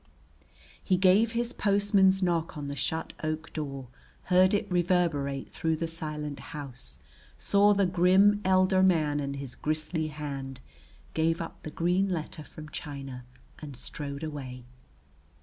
He gave his postman's knock on the shut oak door, heard it reverberate through the silent house, saw the grim elder man and his gristly hand, gave up the green letter from China, and strode away.